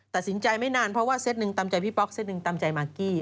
ตัดสินใจไม่นานเพราะว่าเซตหนึ่งตามใจพี่ป๊อกเซตหนึ่งตามใจมากกี้